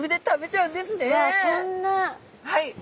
はい。